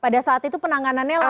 pada saat itu penanganannya lama